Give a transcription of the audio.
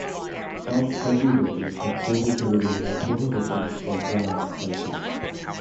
Elk County voters have chosen to remain a prohibition, or "dry", county.